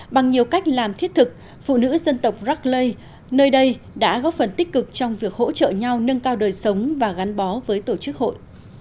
bằng nhiều cách làm thiết thực phụ nữ dân tộc rắc lây nơi đây đã góp phần tích cực trong việc hỗ trợ nhau nâng cao đời sống và gắn bó với tổ chức hội